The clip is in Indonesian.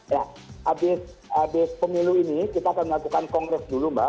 ya habis pemilu ini kita akan melakukan kongres dulu mbak